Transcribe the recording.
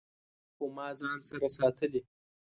خو ما ځان سره ساتلي